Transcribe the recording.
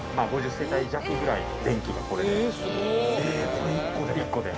これ一個で？